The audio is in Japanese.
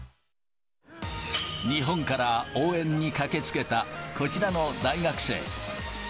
日本から応援に駆けつけた、こちらの大学生。